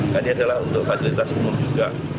dan ini adalah untuk fasilitas umum juga